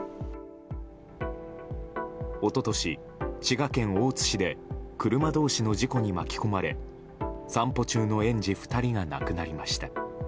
一昨年、滋賀県大津市で車同士の事故に巻き込まれ散歩中の園児２人が亡くなりました。